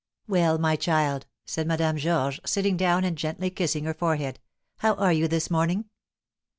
"Well, my child," said Madame Georges, sitting down and gently kissing her forehead, "how are you this morning?"